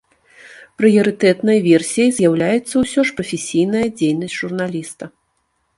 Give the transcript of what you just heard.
Прыярытэтнай версіяй з'яўляецца ўсё ж прафесійная дзейнасць журналіста.